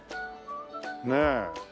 ねえ。